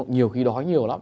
nhiều khi đói nhiều lắm